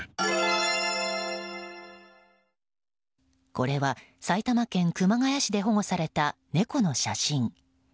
これは埼玉県熊谷市で保護された猫の写真。